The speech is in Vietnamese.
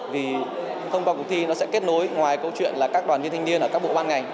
vì thông qua cuộc thi nó sẽ kết nối ngoài câu chuyện là các đoàn viên thanh niên ở các bộ ban ngành